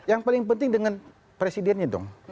yang paling penting dengan presidennya dong